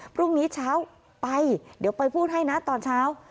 พรุ่งนี้เช้าไปเดี๋ยวไปพูดให้นะตอนเช้า